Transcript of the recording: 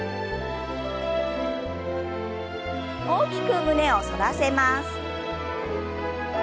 大きく胸を反らせます。